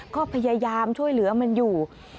ก็พยายามช่วยเหลือมันอยู่